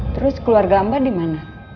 terus keluarga mbak dimana